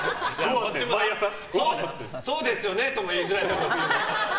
そうですよねとも言いづらいです。